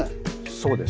そうです